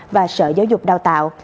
và sở giáo dục đào tạo